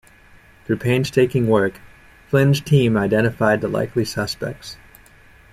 Through painstaking work, Flynn's team identified the likely suspects.